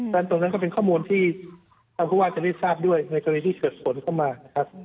ตรงนั้นก็เป็นข้อมูลที่ทางผู้ว่าจะได้ทราบด้วยในกรณีที่เกิดฝนเข้ามานะครับ